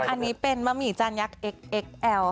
อันนี้เป็นมะหมี่จานยักษ์เอ็กเอ็กแอล